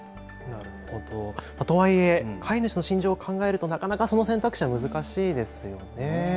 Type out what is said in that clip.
とはいえ、飼い主の心情を考えると、なかなかその選択肢は難しいですよね。